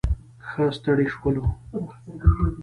ښه ستړي شولو.